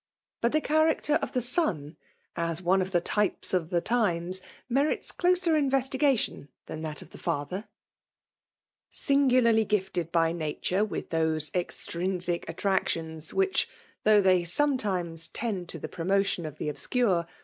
But the character of the son, as one oTthe types of the times, merits closer in vestigation than that of the father. aingul£a>ly gifted by nature with those ex tlimic attractions which, though they some 163 FBHALB BOHINi^nOir. tbaes tend ta Ihe promotioa of die afatcme.